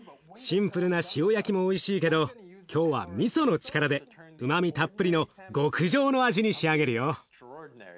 シンプルな塩焼きもおいしいけど今日はみその力でうまみたっぷりの極上の味に仕上げるよ。